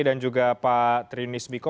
dan juga pak trinis biko